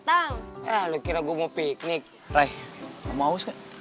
aku gak haus